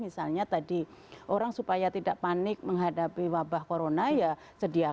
misalnya tadi orang supaya tidak panik menghadapi wabah corona ya sediakan